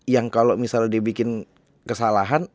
yang kalau misalnya dibikin kesalahan